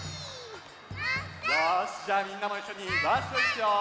よしじゃあみんなもいっしょにワッショイいくよ。